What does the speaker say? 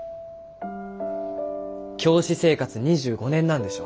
教師生活２５年なんでしょ。